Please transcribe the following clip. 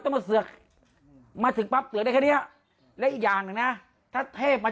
จะมาเสือกมาถึงปั๊บเสือกได้แค่นี้แล้วอย่างนึงนะถ้าเทพมา